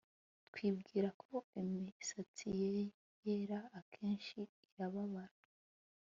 twibwira ko imisatsi ye yera akenshi irababara